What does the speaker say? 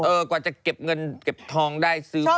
กว่าจะเก็บเงินเก็บทองได้ซื้อ